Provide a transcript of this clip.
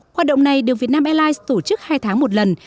hoạt động này được việt nam airlines tổ chức hai tháng một lần